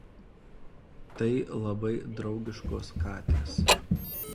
Tai labai draugiškos katės.